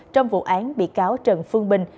trong vụ án bị cáo trần phương bình